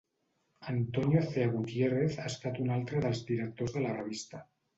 Antonio Cea Gutiérrez ha estat un altre dels directors de la revista.